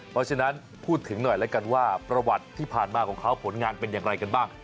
เพราะฉะนั้นพูดถึงหน่อยแล้วกันว่าประวัติที่ผ่านมาของเขาผลงานเป็นอย่างไรกันบ้าง